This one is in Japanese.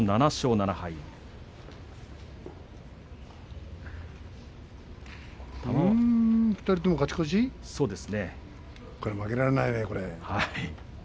２人とも勝ち越しを懸ける一番負けられないね。